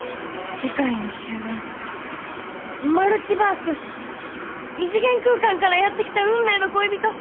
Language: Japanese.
世界の終焉マルチバース異次元空間からやって来た運命の恋人。